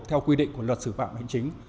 theo quy định của luật xử phạm hành chính